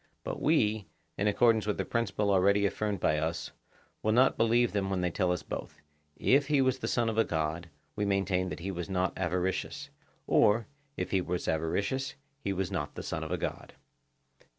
But we, in accordance with the principle already affirmed by us, will not believe them when they tell us both;—if he was the son of a god, we maintain that he was not avaricious; or, if he was avaricious, he was not the son of a god.